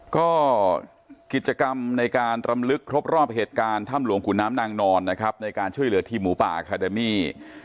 ก็กิจกรรมในการรำลึกครบรอบเหตุการณ์ถ้ำหลวงขุนน้ำนางนอนนะครับในการช่วยเหลือทีมหมูป่าอาคาเดมี่